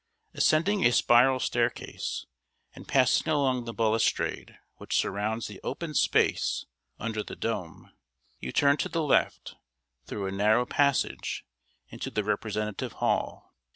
Ascending a spiral stairway, and passing along the balustrade which surrounds the open space under the dome, you turn to the left, through a narrow passage into the representative hall.